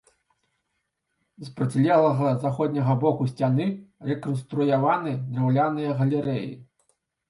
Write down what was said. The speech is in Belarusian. З процілеглага, заходняга боку сцяны рэканструяваны драўляныя галерэі.